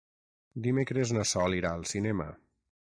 Dimecres na Sol irà al cinema.